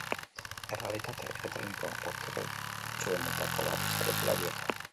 Errealitate elektroniko boteretsuenetako bat zaretela diote.